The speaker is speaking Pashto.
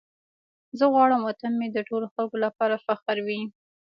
زه غواړم وطن مې د ټولو خلکو لپاره فخر وي.